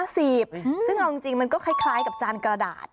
ซึ่งเอาจริงมันก็คล้ายกับจานกระดาษ